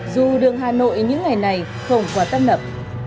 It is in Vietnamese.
dù đường hà nội những ngày này không quá tấp nập